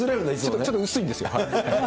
ちょっと薄いんですよ。